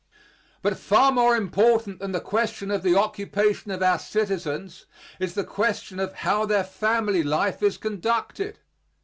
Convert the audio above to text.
But far more important than the question of the occupation of our citizens is the question of how their family life is conducted.